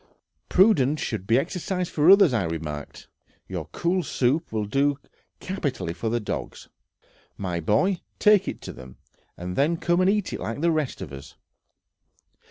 "Prudence should be exercised for others," I remarked; "your cool soup will do capitally for the dogs, my boy; take it to them, and then come and eat like the rest of us...."